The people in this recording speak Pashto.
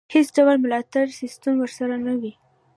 هېڅ ډول ملاتړی سیستم ورسره نه وي.